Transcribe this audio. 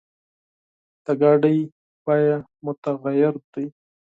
د موټر قیمت متغیر دی.